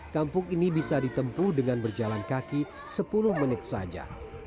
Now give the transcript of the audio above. kampung ini bisa ditempuh dengan berjalan kaki sepuluh menit saja